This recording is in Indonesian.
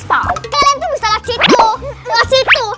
kalian tuh bisa lewat situ